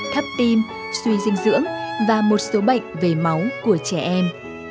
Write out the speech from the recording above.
thấp tim suy dinh dưỡng và một số bệnh về máu của trẻ em